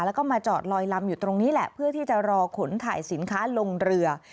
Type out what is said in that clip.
แล้วก็มาจอดลอยลำอยู่ตรงนี้แหละเพื่อที่จะรอขนถ่ายสินค้าลงเรือ